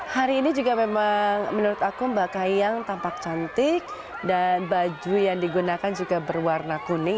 hari ini juga memang menurut aku mbak kahiyang tampak cantik dan baju yang digunakan juga berwarna kuning